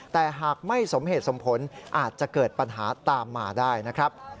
แต่หากไม่สมเหตุสมผลอาจจะเกิดปัญหาตามมาได้นะครับ